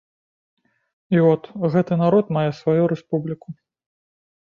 І от, гэты народ мае сваю рэспубліку.